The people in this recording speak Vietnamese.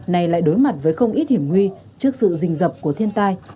này lại đối mặt với không ít hiểm nguy trước sự rình rập của thiên tai